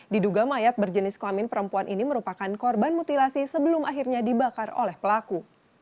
diduga mayat berjenis kelamin perempuan ini merupakan korban mutilasi sebelum akhirnya dibakar oleh pelaku